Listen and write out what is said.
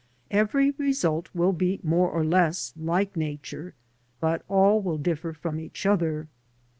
Every result will be more or less like Nature, but all will differ from each other.